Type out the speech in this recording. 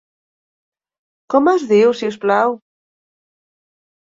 Com es diu, si us plau?